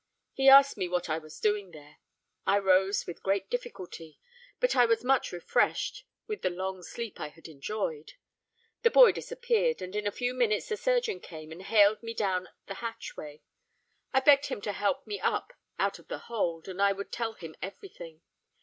He asked me what I was doing there. I rose with great difficulty; but I was much refreshed with the long sleep I had enjoyed. The boy disappeared; and in a few minutes the surgeon came and hailed me down the hatchway. I begged him to help me up out of the hold, and I would tell him every thing.